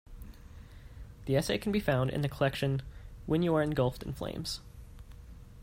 The essay can be found in the collection "When You Are Engulfed in Flames".